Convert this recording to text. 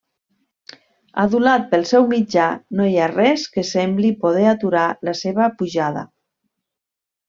Adulat pel seu mitjà, no hi ha res que sembli poder aturar la seva pujada.